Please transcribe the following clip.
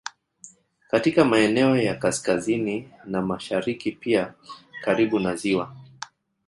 Katika maeneo ya kaskazini na mashariki pia karibu na ziwa